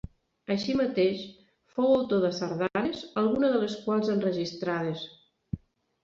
Així mateix, fou autor de sardanes, alguna de les quals enregistrades.